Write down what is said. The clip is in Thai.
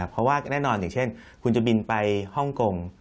เพราะว่าแน่นอนอย่างเช่นคุณจะบินไปฮ่องกง